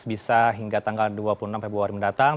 bisa hingga tanggal dua puluh enam februari mendatang